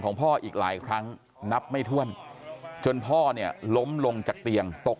พ่ออีกหลายครั้งนับไม่ถ้วนจนพ่อเนี่ยล้มลงจากเตียงตก